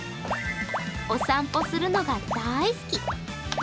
お散歩するのが大好き。